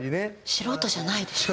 素人じゃないでしょ。